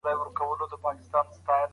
پر خاوند باندي د ميرمني دوهم حق نفقه ده.